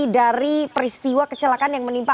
dari peristiwa kecelakaan yang menimpa